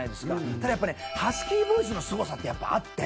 ただハスキーボイスのすごさってやっぱあって。